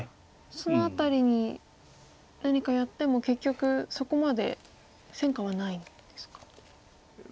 その辺りに何かやっても結局そこまで戦果はないんですか。